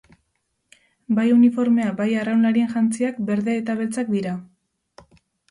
Bai uniformea, bai arraunlarien jantziak berde eta beltzak dira.